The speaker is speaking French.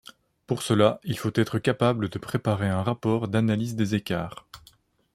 Pour cela, il faut être capable de préparer un rapport d’analyse des écarts.